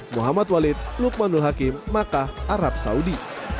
muhammad walid lukmanul hakim makkah arab saudi